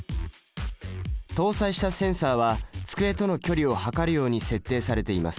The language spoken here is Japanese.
搭載したセンサは机との距離を測るように設定されています。